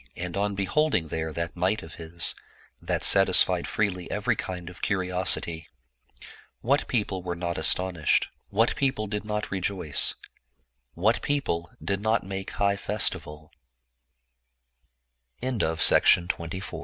And on be holding there that might of his, that satisfied freely every kind of curiosity, what people were not astonished, what people did not rejoice, what people did not make high fes